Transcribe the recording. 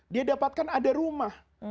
dia dapatkan ada rumah